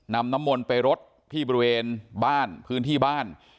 น้ำมนต์ไปรดที่บริเวณบ้านพื้นที่บ้าน